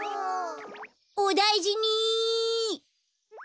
おだいじに。